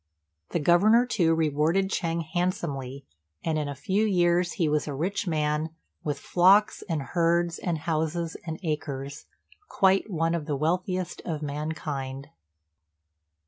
The Governor, too, rewarded Ch'êng handsomely, and in a few years he was a rich man, with flocks, and herds, and houses, and acres, quite one of the wealthiest of mankind.